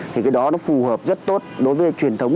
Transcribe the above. thì cái đó nó phù hợp rất tốt đối với truyền thống